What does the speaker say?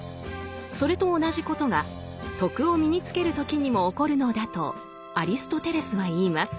それと同じことが「徳」を身につける時にも起こるのだとアリストテレスは言います。